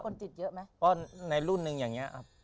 มีคนจิตเยอะมั้ย